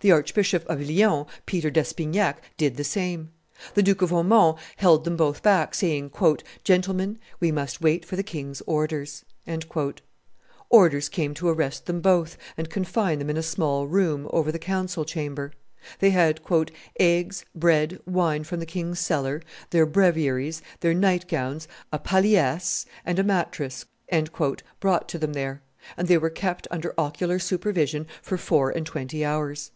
The Archbishop of Lyons, Peter d'Espinac, did the same. The Duke of Aumont held them both back, saying, "Gentlemen, we must wait for the king's orders." Orders came to arrest them both, and confine them in a small room over the council chamber. They had "eggs, bread, wine from the king's cellar, their breviaries, their night gowns, a palliasse, and a mattress," brought to them there; and they were kept under ocular supervision for four and twenty hours.